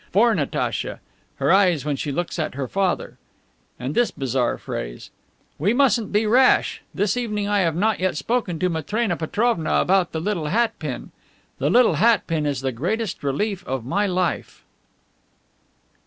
For Natacha: Her eyes when she looks at her father." And this bizarre phrase: "We mustn't be rash. This evening I have not yet spoken to Matrena Petrovna about the little hat pin. That little hat pin is the greatest relief of my life."